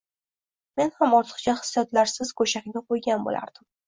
Men ham ortiqcha hissiyotlarsiz goʻshakni qoʻygan boʻlardim.